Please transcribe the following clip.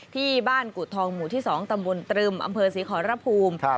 ที่บ้านกุทองหมู่ที่๒ตำบลตรึมอำเภอศรีขอรภูมิ